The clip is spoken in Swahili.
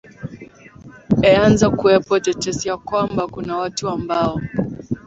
eanza kuwepo tetesi ya kwamba kuna watu ambao